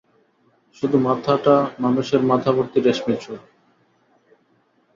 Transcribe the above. শুধুমাথাটা মানুষের মাথাভর্তি রেশমি চুল।